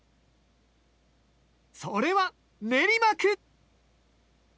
それは練馬区。